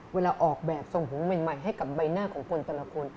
เวลาออกแบบทรงผมใหม่ให้กับใบหน้าของคนแต่ละคน